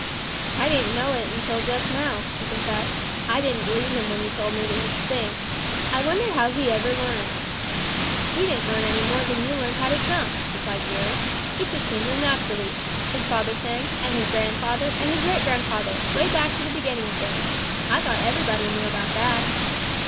"I didn't know it until just how," he confessed. "I didn't believe him when he told me that he could sing. I wonder how he ever learned." "He didn't learn any more than you learned how to jump," replied Jerry. "It just came to him naturally. His father sang, and his grandfather, and his great grandfather, way back to the beginning of things. I thought everybody knew about that."